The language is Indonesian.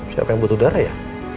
siapa yang butuh darah ya